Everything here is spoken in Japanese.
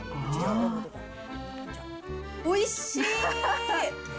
おいしー！